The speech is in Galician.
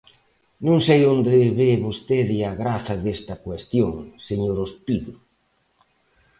Non sei onde ve vostede a graza desta cuestión, señor Ospido.